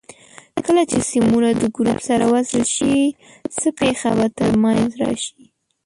کله چې سیمونه د ګروپ سره وصل شي څه پېښه به تر منځ راشي؟